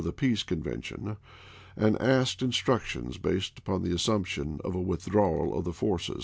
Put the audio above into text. the Peace Convention, and asked instructions based i., p. m ' upon the assumption of a withdrawal of the forces.